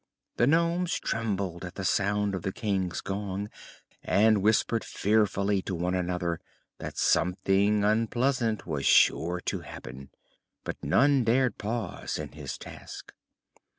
The nomes trembled at the sound of the King's gong and whispered fearfully to one another that something unpleasant was sure to happen; but none dared pause in his task.